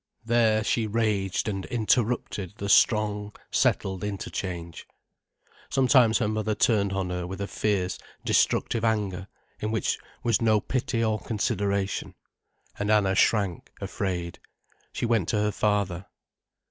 There she raged and interrupted the strong, settled interchange. Sometimes her mother turned on her with a fierce, destructive anger, in which was no pity or consideration. And Anna shrank, afraid. She went to her father.